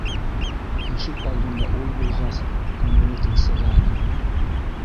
Ишек алдында ул булғас, күңеле тынсығайны!